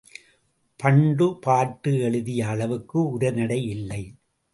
பண்டு, பாட்டு எழுதிய அளவுக்கு உரைநடை இல்லை.